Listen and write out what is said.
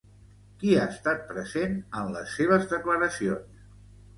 Qui ha estat present en les seves declaracions?